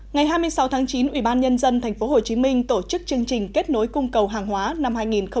ngày hai mươi sáu tháng chín ubnd tp hcm tổ chức chương trình kết nối cung cầu hàng hóa năm hai nghìn một mươi chín